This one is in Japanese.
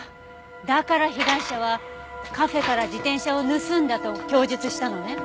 だから被害者はカフェから自転車を盗んだと供述したのね。